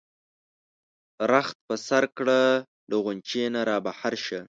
رخت په سر کړه له غُنچې نه را بهر شه.